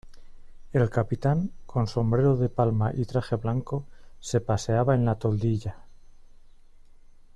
el capitán, con sombrero de palma y traje blanco , se paseaba en la toldilla: